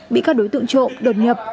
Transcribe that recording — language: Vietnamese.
bị các đối tượng trộm đột nhập